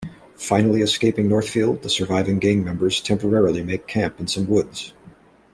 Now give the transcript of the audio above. Finally escaping Northfield, the surviving gang members temporarily make camp in some woods.